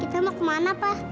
kita mau kemana pak